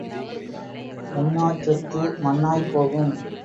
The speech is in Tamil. உண்ணாச் சொத்து மண்ணாய்ப் போகும்.